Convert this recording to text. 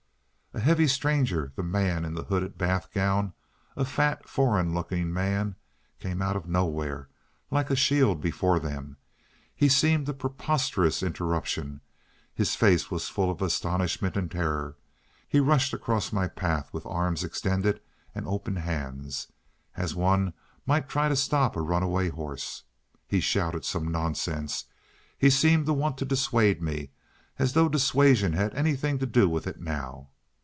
A heavy stranger, the man in the hooded bath gown, a fat, foreign looking man, came out of nowhere like a shield before them. He seemed a preposterous interruption. His face was full of astonishment and terror. He rushed across my path with arms extended and open hands, as one might try to stop a runaway horse. He shouted some nonsense. He seemed to want to dissuade me, as though dissuasion had anything to do with it now.